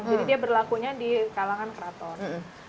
jadi dia berlakunya di kalangan kraton